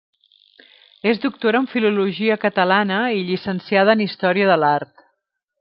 És doctora en filologia catalana i llicenciada en història de l'art.